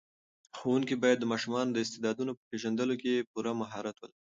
ښوونکي باید د ماشومانو د استعدادونو په پېژندلو کې پوره مهارت ولري.